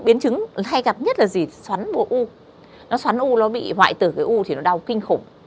biến chứng hay gặp nhất là gì xoắn bộ u nó xoắn u nó bị hoại tử cái u thì nó đau kinh khủng